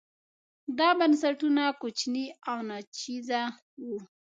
دا بنسټونه کوچني او ناچیزه وو.